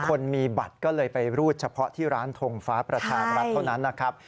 คนมีบัตรก็เลยไปรูดเฉพาะที่ร้านทงฟ้าประชาบรัฐเท่านั้นนะครับ